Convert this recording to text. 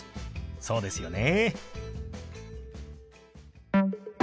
そうですよね。